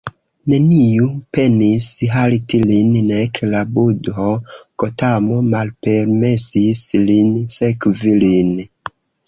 Neniu penis halti lin, nek la budho Gotamo malpermesis lin sekvi lin.